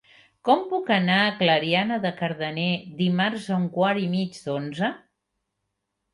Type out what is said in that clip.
Com puc anar a Clariana de Cardener dimarts a un quart i mig d'onze?